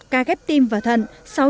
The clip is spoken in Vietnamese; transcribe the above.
một ca ghép tim và thận sáu trăm tám mươi ca